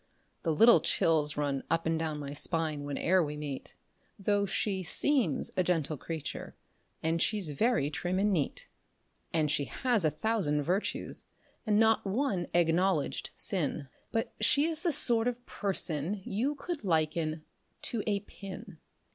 The little chills run up and down my spine whene'er we meet, Though she seems a gentle creature and she's very trim and neat. And she has a thousand virtues and not one acknowledged sin, But she is the sort of person you could liken to a pin.